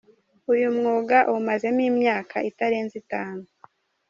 Uyu mwuga awumazemo imyaka itarenze itanu.